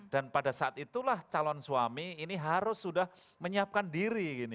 dan pada saat itulah calon suami ini harus sudah menyiapkan diri